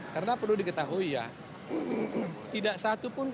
karena perlu diketahui ya tidak satu pun